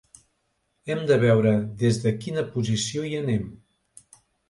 Hem de veure des de quina posició hi anem.